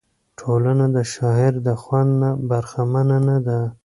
ټولنه د شاعر د خوند نه برخمنه نه ده.